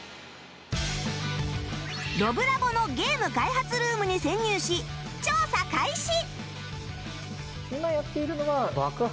ロブラボのゲーム開発ルームに潜入し調査開始！